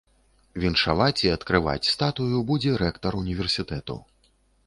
Віншаваць і адкрываць статую будзе рэктар універсітэту.